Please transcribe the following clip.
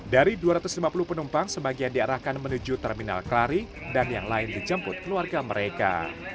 dari dua ratus lima puluh penumpang sebagian diarahkan menuju terminal kelari dan yang lain dijemput keluarga mereka